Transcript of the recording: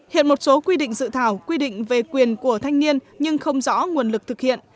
hiện một số quy định dự thảo quy định về quyền của thanh niên nhưng không rõ nguồn lực thực hiện